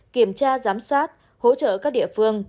kiểm tra giám sát hỗ trợ các địa phương